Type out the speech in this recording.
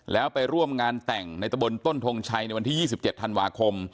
แล้วไปร่วมงานแต่งในตะบนต้นทงชัยในวันที่๒๗ธันวาคม